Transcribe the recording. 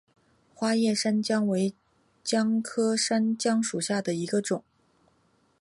花叶山姜为姜科山姜属下的一个种。